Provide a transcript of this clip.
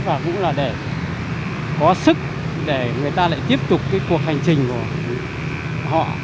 và cũng là để có sức để người ta lại tiếp tục cái cuộc hành trình của họ